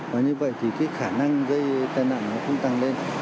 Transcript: và như vậy thì cái khả năng gây tai nạn nó cũng tăng lên